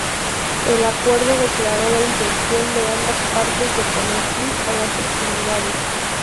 El acuerdo declaró la intención de ambas partes de poner fin a las hostilidades.